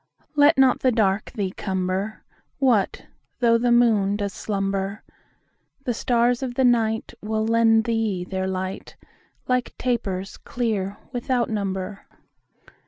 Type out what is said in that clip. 10 Let not the dark thee cumber: What though the moon does slumber? The stars of the night Will lend thee their light Like tapers clear without number.